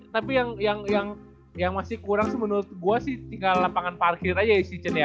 tapi yang masih kurang sih menurut gue sih tinggal lapangan parkir aja ya si chen ya